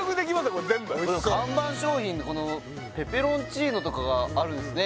おいしそう看板商品のこのペペロンチーノとかがあるんですね